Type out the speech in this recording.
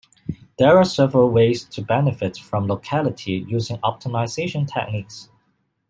There are several ways to benefit from locality using optimization techniques.